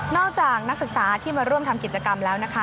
จากนักศึกษาที่มาร่วมทำกิจกรรมแล้วนะคะ